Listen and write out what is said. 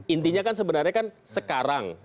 intinya kan sebenarnya kan sekarang